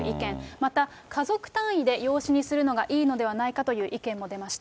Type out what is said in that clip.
また、家族単位で養子にするのがいいのではないかという意見も出ました。